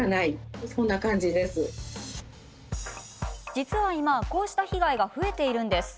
実は今こうした被害が増えています。